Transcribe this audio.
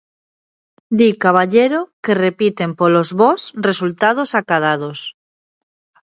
Di Caballero que repiten polos bos resultados acadados.